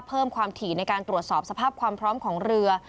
เพิ่มความถี่ในการตรวจสอบสภาพความพร้อมของเรือ